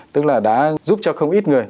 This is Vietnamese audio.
tức là đã giúp cho không ít người